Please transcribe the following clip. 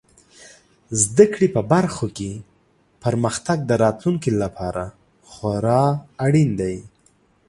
زده کړې په برخو کې پرمختګ د راتلونکي لپاره خورا اړین دی.